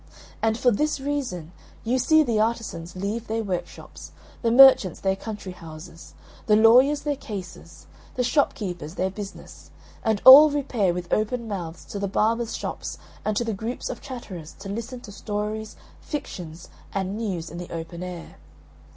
And, for this reason, you see the artisans leave their workshops, the merchants their country houses, the lawyers their cases, the shopkeepers their business, and all repair with open mouths to the barbers' shops and to the groups of chatterers, to listen to stories, fictions, and news in the open air.